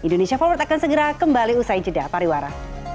indonesia forward akan segera kembali usai jeda pariwara